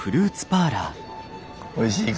おいしいか？